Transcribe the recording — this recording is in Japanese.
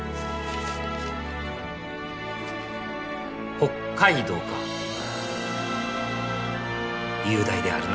「北加伊道」か雄大であるな。